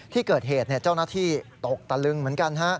ที่เกิดเหตุเจ้าหน้าที่ตกตะลึงเหมือนกัน